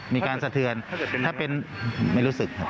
มีการเสทือนถ้าเป็นไม่รู้สึก